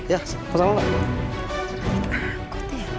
ya sama sama mbak